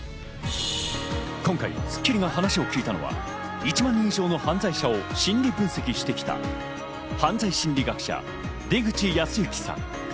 今回『スッキリ』が話を聞いたのは１万人以上の犯罪者を心理分析してきた、犯罪心理学者・出口保行さん。